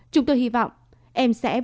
chúng tôi hy vọng em sẽ vượt qua những vấn đề này